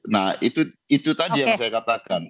nah itu tadi yang saya katakan